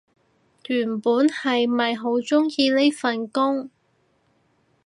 原本係咪好鍾意呢份工